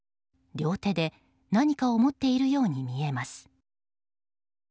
両手で何かを持っているように見えます。